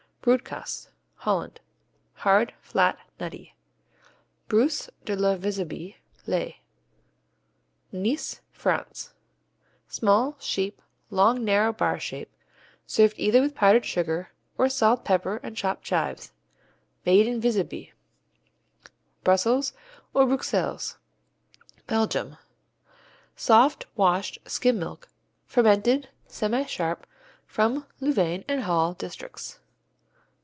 Broodkaas Holland Hard, flat, nutty. Brousses de la Vézubie, les Nice, France Small; sheep; long narrow bar shape, served either with powdered sugar or salt, pepper and chopped chives. Made in Vézubie. Brussels or Bruxelles Belgium Soft, washed skim milk, fermented, semisharp, from Louvain and Hal districts.